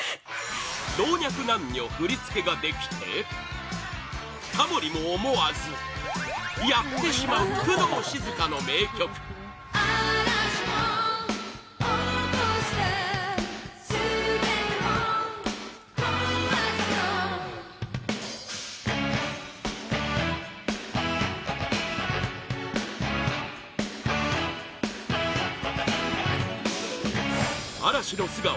老若男女振り付けができてタモリも思わずやってしまう工藤静香の名曲「嵐の素顔」